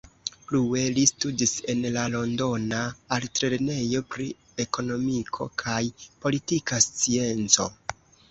Plue li studis en la Londona Altlernejo pri Ekonomiko kaj Politika Scienco.